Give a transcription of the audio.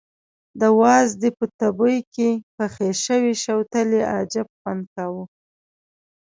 د وازدې په تبي کې پخې شوې شوتلې عجب خوند کاوه.